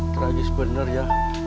tragis bener ya